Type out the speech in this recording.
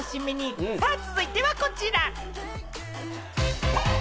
さぁ続いてはこちら。